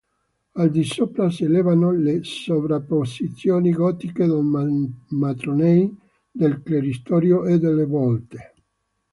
Al di sopra s'elevano le sovrapposizioni gotiche dei matronei, del cleristorio e delle volte.